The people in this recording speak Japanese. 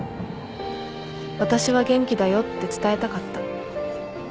私は元気だよって伝えたかった